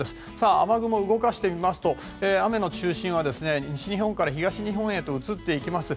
雨雲を動かしてみますと雨の中心は西日本から東日本へと移っていきます。